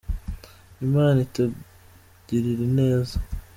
Imana itugirira neza.